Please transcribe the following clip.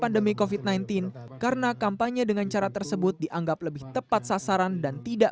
pandemi kofit sembilan belas karena kampanye dengan cara tersebut dianggap lebih tepat sasaran dan tidak